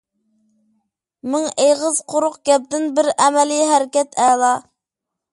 مىڭ ئېغىز قۇرۇق گەپتىن بىر ئەمەلىي ھەرىكەت ئەلا.